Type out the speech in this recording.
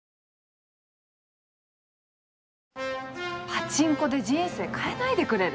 パチンコで人生変えないでくれる？